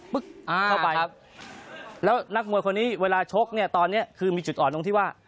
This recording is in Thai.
เข้าไปครับแล้วนักมวยคนนี้เวลาชกเนี่ยตอนนี้คือมีจุดอ่อนตรงที่ว่า